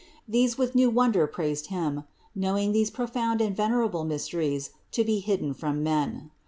These with new wonder praised Him, knowing these profound and venerable mysteries to be hidden from men.